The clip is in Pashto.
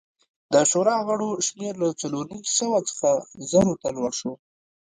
د شورا غړو شمېر له څلور نیم سوه څخه زرو ته لوړ شو